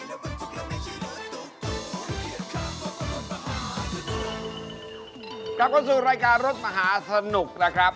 เรากลับมาสู่รายการรถมะหาสนุกนะครับ